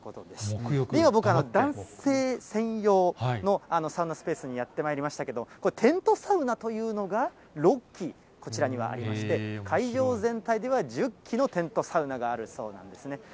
では僕、男性専用のサウナスペースにやってまいりましたけど、これ、テントサウナというのが６基、こちらにはありまして、会場全体では１０基のテントサウナがあるそうなんですね。